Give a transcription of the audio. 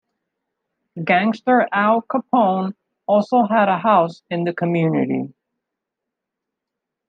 Gangster Al Capone also had a house in the community.